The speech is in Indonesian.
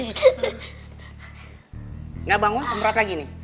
nggak bangun sembrot lagi nih